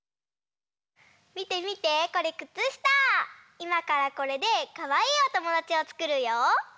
いまからこれでかわいいおともだちをつくるよ！